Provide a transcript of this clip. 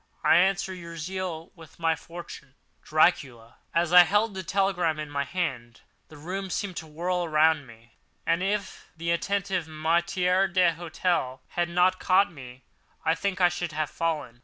I answer your zeal with my fortune.—Dracula. As I held the telegram in my hand, the room seemed to whirl around me; and, if the attentive maître d'hôtel had not caught me, I think I should have fallen.